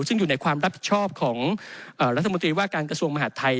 ซึ่งอยู่ในความรับผิดชอบของรัฐมนตรีว่าการกระทรวงมหาดไทย